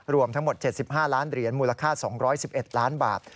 รวมทั้งหมด๗๕ล้านเหรียญมูลค่า๒๑๑ล้านบาท